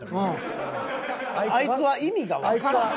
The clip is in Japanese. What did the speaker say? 「あいつは意味がわからん」？